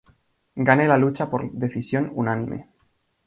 Gane la lucha por decisión unánime.